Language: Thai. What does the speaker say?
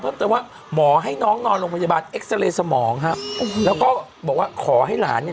เพิ่มเติมว่าหมอให้น้องนอนโรงพยาบาลเอ็กซาเรย์สมองฮะแล้วก็บอกว่าขอให้หลานเนี่ย